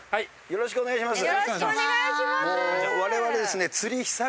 よろしくお願いします。